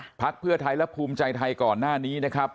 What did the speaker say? พักเพื่อไทยและภูมิใจไทยก่อนหน้านี้นะครับ